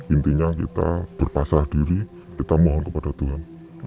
intinya kita berkasah diri kita mohon kepada tuhan